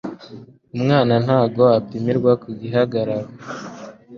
umwana ntabwo apimirwa ku gihagararo,